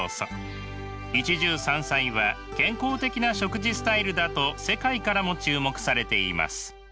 一汁三菜は健康的な食事スタイルだと世界からも注目されています。